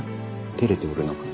照れておるのか？